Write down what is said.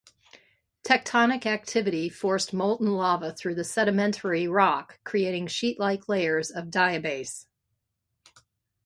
Tectonic activity forced molten lava through the sedimentary rock, creating sheetlike layers of diabase.